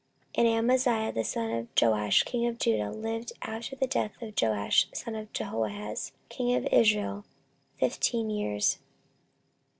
14:025:025 And Amaziah the son of Joash king of Judah lived after the death of Joash son of Jehoahaz king of Israel fifteen years.